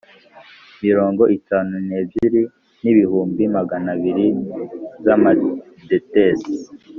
mirongo itanu n ebyiri n ibihumbi magana abiri z Amadetesi